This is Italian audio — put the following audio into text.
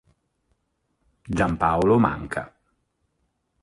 Giampaolo Manca.